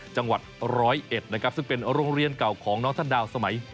จังหวัดร้อยเอ็ดนะครับซึ่งเป็นโรงเรียนเก่าของน้องท่านดาวสมัย